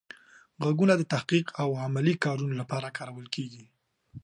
غږونه د تحقیق او علمي کارونو لپاره کارول کیږي.